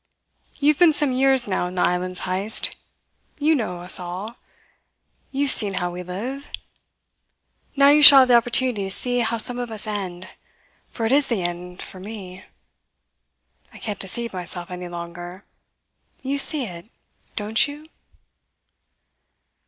You have been some years now in the islands, Heyst. You know us all; you have seen how we live. Now you shall have the opportunity to see how some of us end; for it is the end, for me. I can't deceive myself any longer. You see it don't you?"